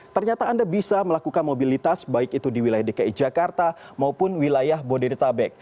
ternyata anda bisa melakukan mobilitas baik itu di wilayah dki jakarta maupun wilayah bodetabek